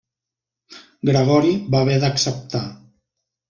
Gregori va haver d'acceptar.